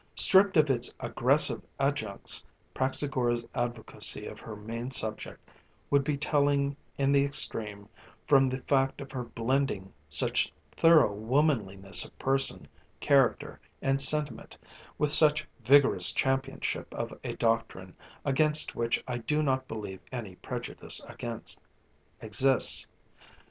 Stripped of its aggressive adjuncts, Praxagora's advocacy of her main subject would be telling in the extreme from the fact of her blending such thorough womanliness of person, character, and sentiment with such vigorous championship of a doctrine against which I do not believe any prejudice exists.